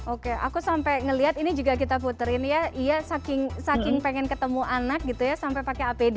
oke aku sampai ngelihat ini juga kita puterin ya iya saking pengen ketemu anak gitu ya sampai pakai apd